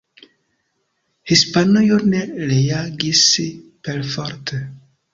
Hispanujo ne reagis perforte.